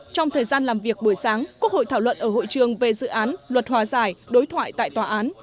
trong thời gian làm việc buổi sáng quốc hội thảo luận ở hội trường về dự án luật hòa giải đối thoại tại tòa án